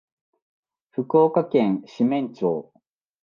福岡県志免町